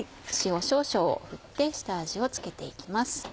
塩少々振って下味を付けて行きます。